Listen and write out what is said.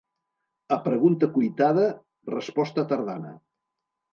A pregunta cuitada, resposta tardana.